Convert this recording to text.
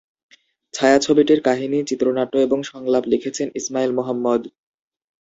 ছায়াছবিটির কাহিনী, চিত্রনাট্য ও সংলাপ লিখেছেন ইসমাইল মোহাম্মদ।